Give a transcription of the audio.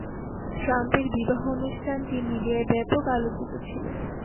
ট্রাম্পের বিবাহ অনুষ্ঠানটি মিডিয়ায় ব্যাপক আলোচিত ছিলো।